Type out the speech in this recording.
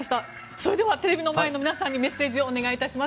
それではテレビの前の皆さんにメッセージをお願いします。